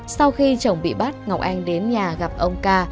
sau khi chồng bị bắt ngọc anh đến nhà gặp ông ca